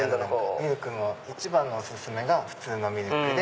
ミルクも一番のお薦めが普通のミルクで。